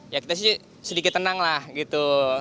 ya kita sih sedikit tenang lah gitu